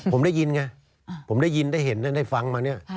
ผมได้ยินไงผมได้ยินได้เห็นได้ฟังมาเนี่ย